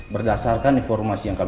berdasarkan informasi yang kamu